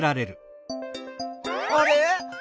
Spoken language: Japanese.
あれ？